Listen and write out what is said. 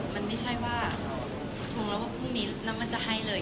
มันไม่ใช่ว่าตรงเล่าพรุ่งนี้มันจะให้เลย